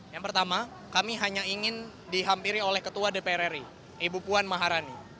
yang pertama kami hanya ingin dihampiri oleh ketua dpr ri ibu puan maharani